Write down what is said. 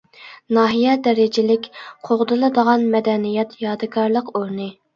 ناھىيە دەرىجىلىك قوغدىلىدىغان مەدەنىيەت يادىكارلىق ئورنى.